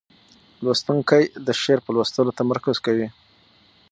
لوستونکی د شعر په لوستلو تمرکز کوي.